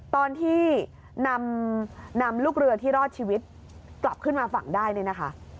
ตอนที่นำลูกเรือที่รอดชีวิตกลับขึ้นมาฝั่งได้เนี่ยนะคะ